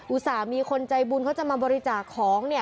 ส่าห์มีคนใจบุญเขาจะมาบริจาคของเนี่ย